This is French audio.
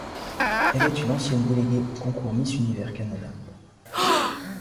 Elle est une ancienne déléguée au concours Miss Univers Canada.